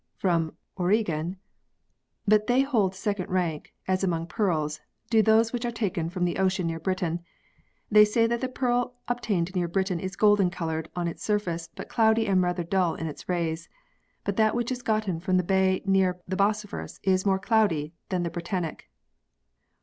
From Origen. But they hold the second rank, as among pearls, do those which are taken from the ocean near Britain. They say that the pearl obtained near Britain is golden coloured on its surface but cloudy and rather dull in its rays ; but that which is gotten from the Bay near the Bosphorus is more cloudy than the Brettanic.